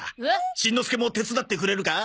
しんのすけも手伝ってくれるか？